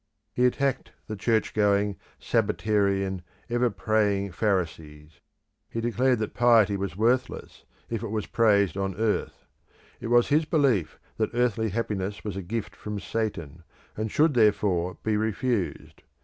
He attacked the church going, sabbatarian ever praying Pharisees; he declared that piety was worthless if it were praised on earth. It was his belief that earthly happiness was a gift from Satan, and should therefore be refused.